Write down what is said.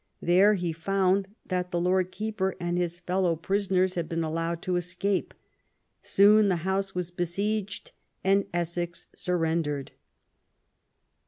There he found that the Lord Keeper and his fellow prisoners had been allowed to escape. Soon the house was besieged, and Essex surrendered.